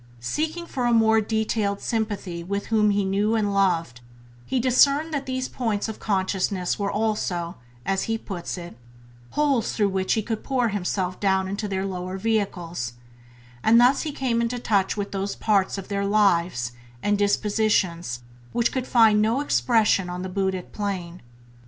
Seeking for a more detailed sympathy with some whom he knew and loved, he discerned that these points of consciousness were also, as he put it, holes through which he could pour himself down into their lower vehicles; and thus he came into touch with those parts of their lives and dispositions which could find no expression on the buddhic plane.